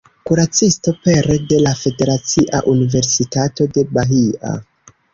Kuracisto pere de la Federacia Universitato de Bahia.